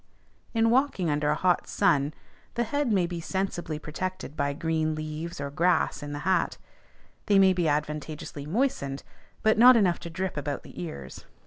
In walking under a hot sun, the head may be sensibly protected by green leaves or grass in the hat; they may be advantageously moistened, but not enough to drip about the ears.